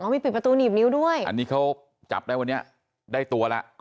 มีปิดประตูหนีบนิ้วด้วยอันนี้เขาจับได้วันนี้ได้ตัวแล้ว